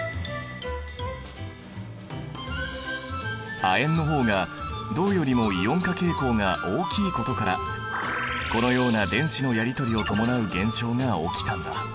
亜鉛の方が銅よりもイオン化傾向が大きいことからこのような電子のやり取りを伴う現象が起きたんだ。